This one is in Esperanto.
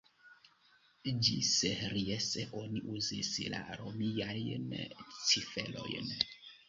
Ĝis Ries oni uzis la romiajn ciferojn.